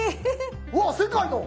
うわっ世界の！